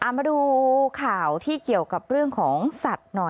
มาดูข่าวที่เกี่ยวกับเรื่องของสัตว์หน่อย